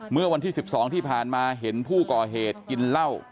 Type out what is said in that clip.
เมื่อวันที่๑๒ที่ผ่านมาเห็นผู้ก่อเหตุกินเหล้า